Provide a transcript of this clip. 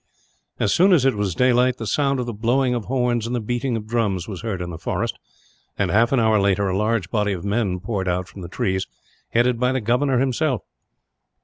As soon as it was daylight, the sound of the blowing of horns and the beating of drums was heard in the forest and, half an hour later, a large body of men poured out from the trees, headed by the governor, himself.